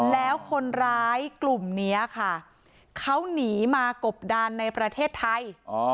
แล้วคนร้ายกลุ่มนี้ค่ะเขาหนีมากบดานในประเทศไทย